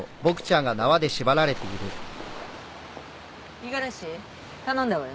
五十嵐頼んだわよ。